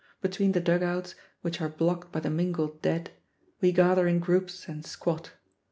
Between the dug outs, which are blocked by the mingled dead, we gather in groups and squat.